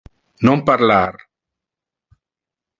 Non parlar.